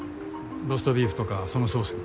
ローストビーフとかそのソースに。